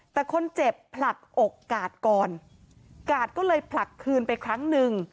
แต่คนเจ็บผลักอกกาดก่อนกาดก็เลยผลักคืนไปครั้งหนึ่ง